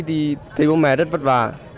thì thấy bố mẹ rất vất vả